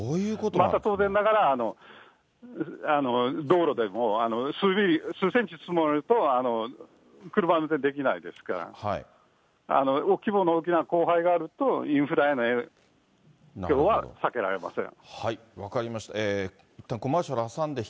また当然ながら、道路でも数センチ積もると、車の運転できないですから、規模の大きな降灰があると、インフラへの影響は避けられません。